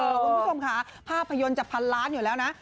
คุณผู้ชมค่ะภาพยนตร์จะพันล้านอยู่แล้วนะ